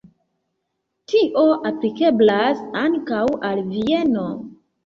Tio aplikeblas ankaŭ al Vieno.